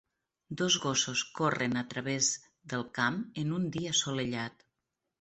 Dos gossos corren a través del camp en un dia assolellat.